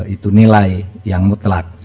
itu nilai yang mutlak